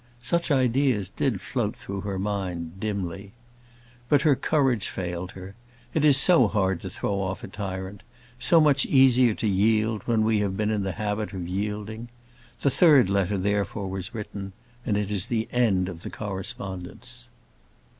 Such ideas did float through her mind, dimly. But her courage failed her. It is so hard to throw off a tyrant; so much easier to yield, when we have been in the habit of yielding. This third letter, therefore, was written; and it is the end of the correspondence.